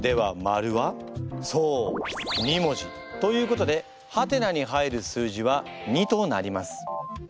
ということで「？」に入る数字は２となります。